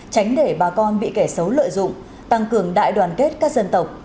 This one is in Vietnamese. tránh để bà con bị kẻ xấu lợi dụng tăng cường đại đoàn kết các dân tộc